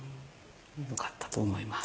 よかったと思います。